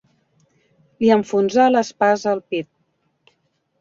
Li enfonsà l'espasa al pit.